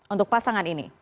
untuk pasangan ini